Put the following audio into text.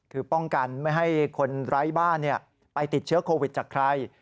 คือป้องกันไม่ให้คนไร้บ้านไปติดเชื้อโควิดจากใคร